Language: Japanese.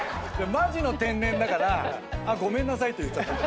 マジの天然だからごめんなさいって言っちゃった。